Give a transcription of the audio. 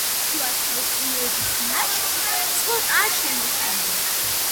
მონასტერში შუა საუკუნეების ნაშთი ცოტაა შემორჩენილი.